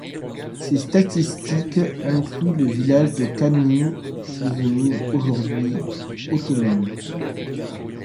Ces statistiques incluent le village de Cămin devenu aujourd'hui autonome.